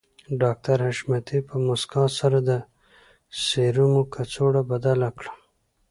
ډاکټر حشمتي په مسکا سره د سيرومو کڅوړه بدله کړه